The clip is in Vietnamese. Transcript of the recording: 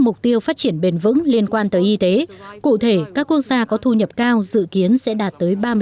mục tiêu phát triển bền vững liên quan tới y tế cụ thể các quốc gia có thu nhập cao dự kiến sẽ đạt tới ba mươi